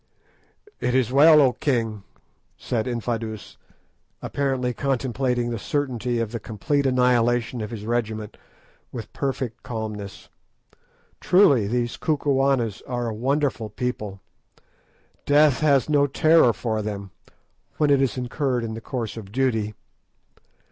"It is well, O king," said Infadoos, apparently contemplating the certainty of the complete annihilation of his regiment with perfect calmness. Truly, these Kukuanas are a wonderful people. Death has no terrors for them when it is incurred in the course of duty.